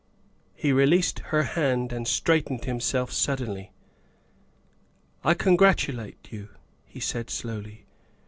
'' He released her hand and straightened himself sud denly. " I congratulate you," he said slowly.